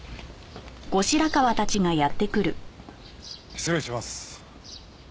失礼します。